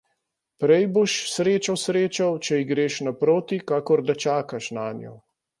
Prej boš srečo srečal, če ji greš naproti, kakor da čakaš nanjo.